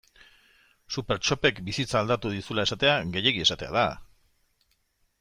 Supertxopek bizitza aldatu dizula esatea gehiegi esatea da?